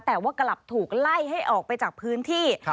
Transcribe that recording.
แต่ว่ากลับถูกไล่ให้ออกไปจากพื้นที่